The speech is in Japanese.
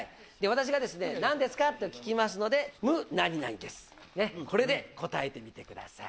私が「何ですか？」と聞きますので「無○○」ですこれで答えてみてください。